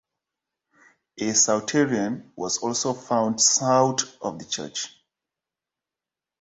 A souterrain was also found south of the church.